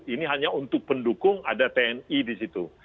ini hanya untuk pendukung ada tni di situ